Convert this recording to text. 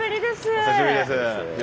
お久しぶりです。